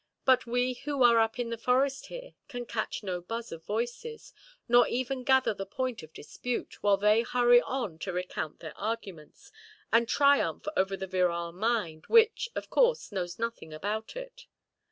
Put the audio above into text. But we who are up in the forest here can catch no buzz of voices, nor even gather the point of dispute, while they hurry on to recount their arguments, and triumph over the virile mind, which, of course, knows nothing about it.